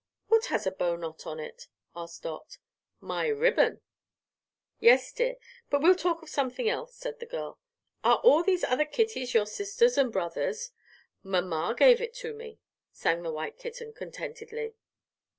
"What has a bow knot on it?" asked Dot. "My ribbon." "Yes, dear; but we'll talk of something else," said the girl. "Are all these other kitties your sisters and brothers?" "Mamma gave it to me," sang the white kitten, contentedly.